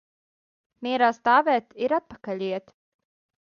Mierā stāvēt ir atpakaļ iet.